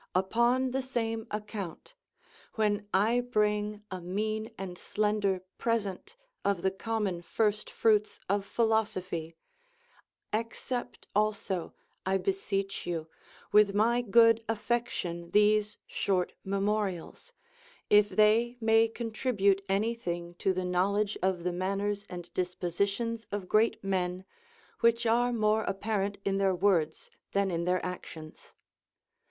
Upon the same account, when I bring a mean and slender present of the common first fruits of philosopliy, accept also (I beseech you) Avith my good aff"ection these short memorials, if they may contribute any thing to the knowledge of the manners and dispositions of great men, which are more apparent in their Λvords than in their actions.